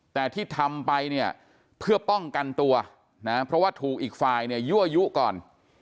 แต่ที่ทำไปเนี่ยเพื่อป้องกันตัวนะเพราะว่าถูกอีกฝ่ายเนี่ยยั่วยุก่อน